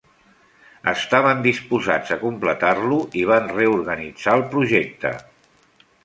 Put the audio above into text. Estaven disposats a completar-lo i van reorganitzar el projecte.